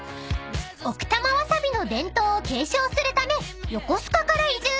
［奥多摩わさびの伝統を継承するため横須賀から移住］